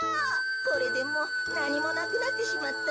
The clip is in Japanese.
これでもうなにもなくなってしまった。